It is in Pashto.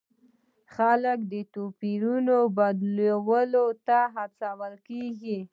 خلک د توپیرونو بدلولو ته هڅول کیږي.